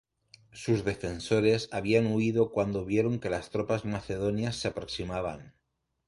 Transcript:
Sus defensores habían huido cuando vieron que las tropas macedonias se aproximaban.